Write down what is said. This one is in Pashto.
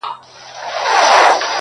همدغه دروند دغه ستایلی وطن،